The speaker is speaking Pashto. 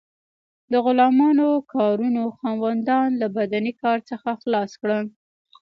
د غلامانو کارونو خاوندان له بدني کار څخه خلاص کړل.